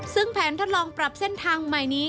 ซึ่งแผนทดลองปรับเส้นทางใหม่นี้